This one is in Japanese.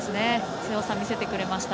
強さ、見せてくれました。